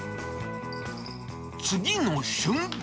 次の瞬間。